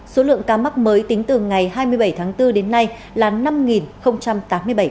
số lượng ca mắc mới tính từ ngày hai mươi bảy tháng bốn đến nay là năm tám mươi bảy ca